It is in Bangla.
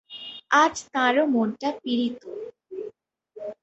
আজ তাঁরও মনটা পীড়িত।